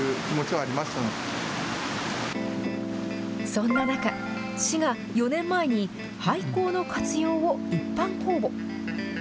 そんな中、市が４年前に廃校の活用を一般公募。